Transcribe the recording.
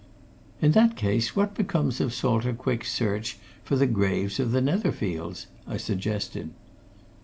"In that case, what becomes of Salter Quick's search for the graves of the Netherfields?" I suggested.